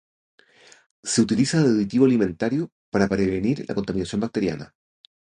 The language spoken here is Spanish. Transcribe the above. Se utiliza de aditivo alimentario para prevenir la contaminación bacteriana.